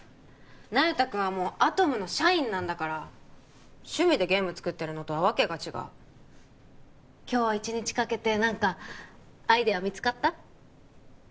那由他君はもうアトムの社員なんだから趣味でゲーム作ってるのとはわけが違う今日一日かけて何かアイデア見つかった？